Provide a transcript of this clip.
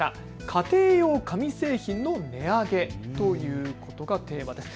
家庭用紙製品の値上げということがテーマです。